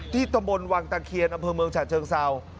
ที่ตมวังตะเคียนอำเภอเมืองฉาเชิงเซา